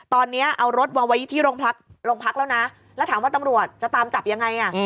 ตอนนี้เอารถวางไว้ที่โรงพักแล้วนะแล้วถามว่าตำรวจจะตามจับยังไง